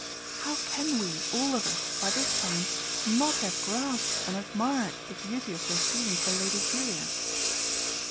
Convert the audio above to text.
How can we, all of us, by this time, not have grasped and admired the beauty of your feeling for Lady Julia?